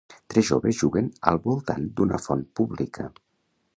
Tres joves juguen al voltant d'una font pública.